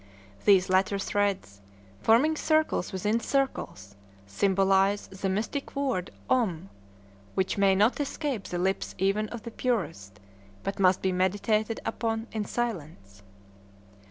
These latter threads, forming circles within circles, symbolize the mystic word Om, which may not escape the lips even of the purest, but must be meditated upon in silence.